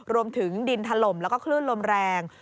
รวมถึงดินถล่มแล้วก็คลื่นลมแรง